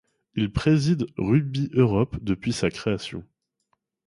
Il préside Rugby Europe depuis sa création.